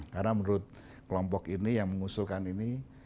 karena menurut kelompok ini yang mengusulkan ini